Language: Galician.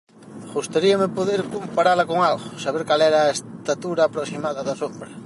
Gustaríame poder comparala con algo, saber cal era a estatura aproximada da sombra.